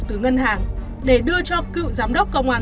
từ ngân hàng để đưa cho cựu giám đốc công an